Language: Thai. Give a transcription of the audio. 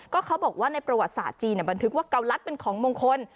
เขาบอกว่าในประวัติศาสตร์จีนบันทึกว่าเกาลัดเป็นของมงคล